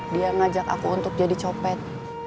dia ngajak aku untuk jadi copet